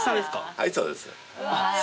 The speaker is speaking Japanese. はいそうです。